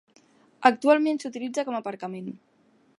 Actualment s'utilitza com aparcament.